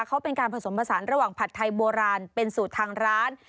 เขาเป็นการผสมผสานระหว่างผัดไทยโบราณเป็นสูตรทางร้าน